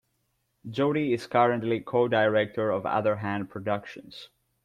Jodi is currently co-director of Other Hand Productions.